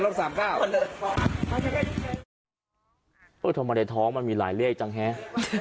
โอ้โหทำไมในท้องมันมีหลายเลี่ยงจังแฮะ